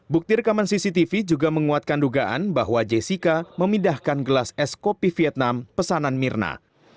bukti rekaman cctv juga menguatkan dugaan bahwa jessica memindahkan gelas es kopi vietnam pesanan mirna